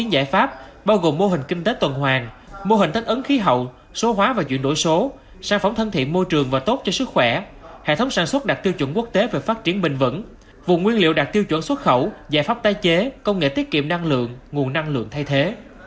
chín giải pháp bao gồm mô hình kinh tế tuần hoàng mô hình tách ấn khí hậu số hóa và chuyển đổi số sản phẩm thân thiện môi trường và tốt cho sức khỏe hệ thống sản xuất đạt tiêu chuẩn quốc tế về phát triển bình vẩn vùng nguyên liệu đạt tiêu chuẩn xuất khẩu giải pháp tai chế công nghệ tiết kiệm năng lượng nguồn năng lượng thay thế